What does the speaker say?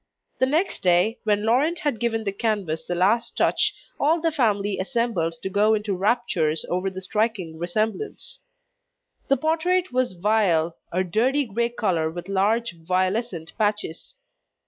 The next day, when Laurent had given the canvas the last touch, all the family assembled to go into raptures over the striking resemblance. The portrait was vile, a dirty grey colour with large violescent patches.